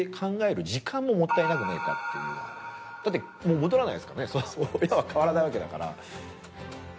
だってもう戻らないですからね親は変わらないわけだから。